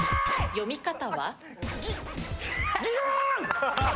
読み方は？